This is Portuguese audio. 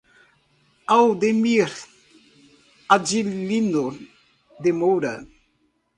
Aldemir Adilino de Moura